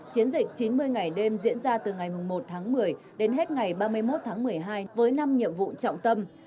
chiến dịch chín mươi ngày đêm diễn ra từ ngày một tháng một mươi đến hết ngày ba mươi một tháng một mươi hai với năm nhiệm vụ trọng tâm